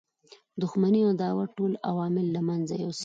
دښمنی او عداوت ټول عوامل له منځه یوسي.